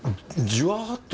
じわっと？